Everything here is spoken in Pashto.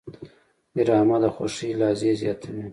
ډرامه د خوښۍ لحظې زیاتوي